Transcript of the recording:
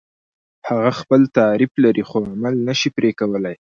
هغه خپل تعریف لري خو عمل نشي پرې کولای.